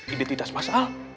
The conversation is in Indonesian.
ini tidak semasa al